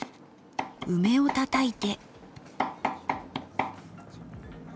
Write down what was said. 梅をたたいて。